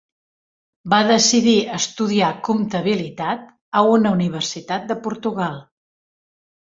Va decidir estudiar Comptabilitat a una universitat de Portugal.